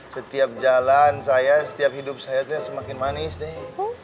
setiap jalan saya setiap hidup saya itu semakin manis nih